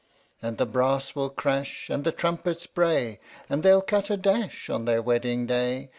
And the brass will cra^h, And the trumpets bray, And they'll cut a dash On their wedding day.